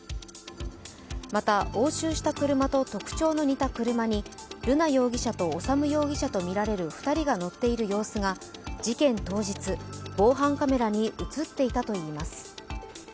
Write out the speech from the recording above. また押収した車と特徴の似た車に瑠奈容疑者と修容疑者とみられる２人が乗っている様子が事件当日、防犯カメラに映っていたといいます。